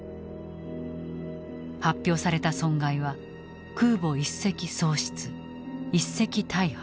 発表された損害は空母１隻喪失１隻大破。